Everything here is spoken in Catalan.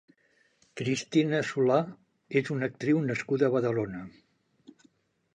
Cristina Solà és una actriu nascuda a Badalona.